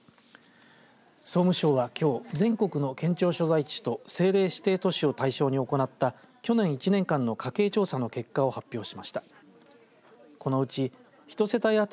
総務省はきょう全国の県庁所在地と政令指定都市を対象に行った去年１年間の家計調査の結果を発表しました。